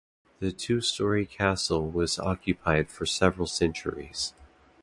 The two story castle was occupied for several centuries.